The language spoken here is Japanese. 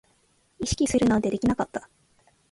意識するなんてできなかった